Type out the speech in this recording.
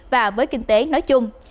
và với kinh tế nói chung